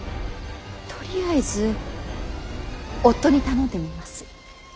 とりあえず夫に頼んでみます。